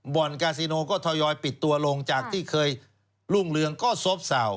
กาซิโนก็ทยอยปิดตัวลงจากที่เคยรุ่งเรืองก็ซบเศร้า